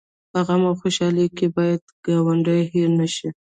په غم او خوشحالۍ کې باید ګاونډی هېر نه شي